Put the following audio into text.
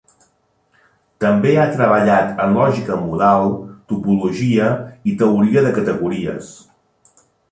També ha treballat en lògica modal, topologia i teoria de categories.